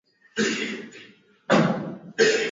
kwa ukanda wa pwani na nchi kavu nyuzi joto ishirini na nne